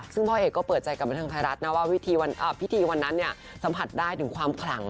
ซึ่งพ่อเอกก็เปิดใจกับบันเทิงไทยรัฐนะว่าพิธีวันนั้นสัมผัสได้ถึงความขลัง